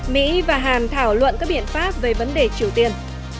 mỹ và hàn thảo luận các biện pháp về vấn đề triều tiên